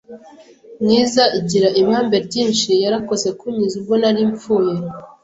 mwiza igira ibambe ryinshi yarakoze kunkiza ubwo nari mpfuye